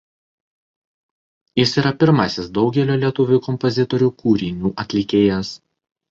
Jis yra pirmasis daugelio lietuvių kompozitorių kūrinių atlikėjas.